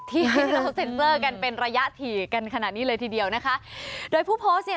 ที่เราเซ็นเซอร์กันเป็นระยะถี่กันขนาดนี้เลยทีเดียวนะคะโดยผู้โพสต์เนี่ย